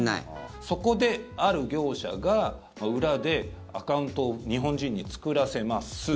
そこで、ある業者が裏でアカウントを日本人に作らせます。